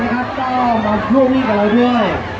ขอบคุณมากนะคะแล้วก็แถวนี้ยังมีชาติของ